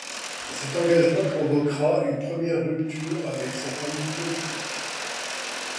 Cet engagement provoquera une première rupture avec sa famille politique.